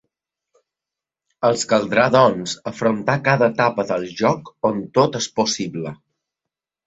Els caldrà doncs afrontar cada etapa del joc on tot és possible.